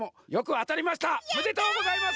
やった！おめでとうございます！